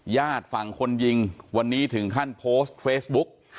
ญาติฝั่งคนยิงวันนี้ถึงขั้นโพสต์เฟซบุ๊ก